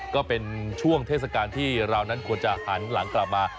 ก็เป็นช่วงเทศกาลที่เรานั้นควรจะหันหลังกลับมา